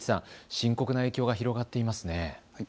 深刻な影響が広がっていますね。